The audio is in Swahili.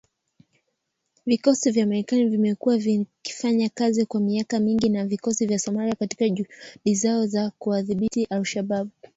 Vikosi vya Marekani vimekuwa vikifanya kazi kwa miaka mingi na vikosi vya Somalia katika juhudi zao za kuwadhibiti al-Shabaab.